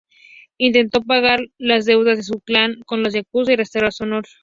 Intentó pagar las deudas de su clan con los Yakuza y restaurar su honor.